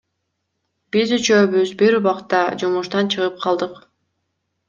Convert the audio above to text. Биз үчөөбүз бир убакта жумуштан чыгып калдык.